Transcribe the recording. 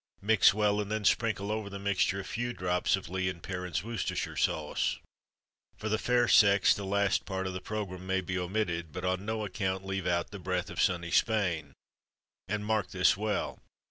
Mix well, and then sprinkle over the mixture a few drops of Lea and Perrins's Worcester Sauce. For the fair sex, the last part of the programme may be omitted, but on no account leave out the breath of sunny Spain. And mark this well.